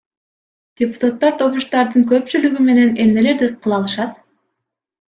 Депутаттар добуштардын көпчүлүгү менен эмнелерди кыла алышат?